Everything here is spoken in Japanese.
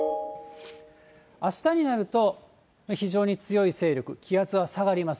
あしたになると、非常に強い勢力、気圧は下がります。